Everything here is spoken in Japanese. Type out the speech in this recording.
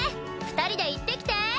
２人で行ってきて！